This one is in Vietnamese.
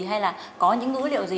hay là có những ngữ liệu gì